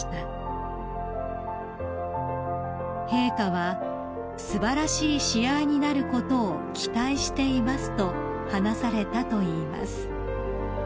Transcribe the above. ［陛下は「素晴らしい試合になることを期待しています」と話されたといいます］